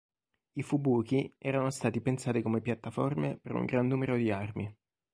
I Fubuki erano stati pensati come piattaforme per un gran numero di armi.